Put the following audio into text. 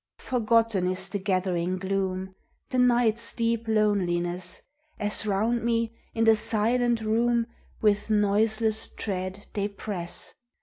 Forgotten is the gathering gloom, The night's deep loneliness, As round me in the silent room With noiseless tread they press.